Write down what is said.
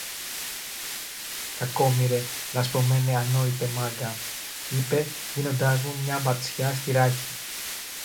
Κακόμοιρε, λασπωμένε, ανόητε Μάγκα! είπε δίνοντας μου μια μπατσιά στη ράχη